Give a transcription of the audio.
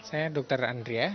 saya dokter andria